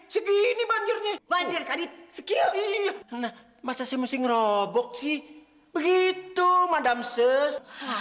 segini banjirnya banjir kadit segini iya iya masa saya mesti ngerobok sih begitu madam ses